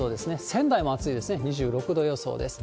仙台も暑いですね、２６度予想です。